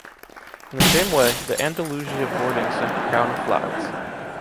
In the same way, the Andalusia boarding sent a crown of flowers.